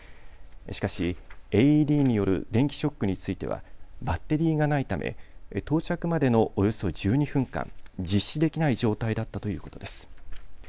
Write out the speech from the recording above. しかしＡＥＤによる電気ショックについてはバッテリーがないため到着までのおよそ１２分間、実施できない状態だったということです。